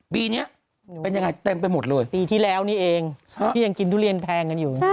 ปีนี้เป็นยังไงเต็มไปหมดเลยปีที่แล้วนี่เองที่ยังกินทุเรียนแพงกันอยู่